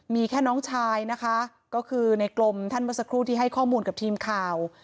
มีแค่น้องชายนะคะก็คือในกลมท่านเมื่อสักครู่ที่ให้ข้อมูลกับทีมข่าว